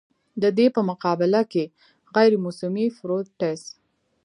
د دې پۀ مقابله کښې غېر موسمي فروټس